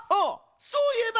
そういえば！